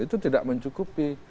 itu tidak mencukupi